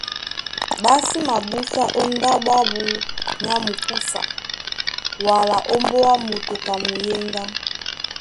Ɓá sí mabúsá ó ndáɓo ábū nyá mukúsa wala ó mbóá moto ka muyéŋgá.